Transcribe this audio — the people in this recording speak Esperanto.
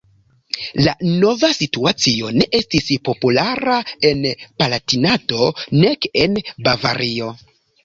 La nova situacio ne estis populara en Palatinato, nek en Bavario.